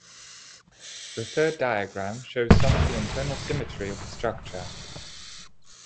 The third diagram shows some of the internal symmetry of the structure.